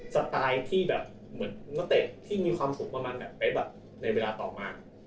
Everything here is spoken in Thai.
สไตล์ที่แบบเหมือนนเตะที่มีความสุขประมาณแบบในเวลาต่อมา